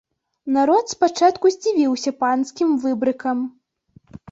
Народ спачатку здзівіўся панскім выбрыкам.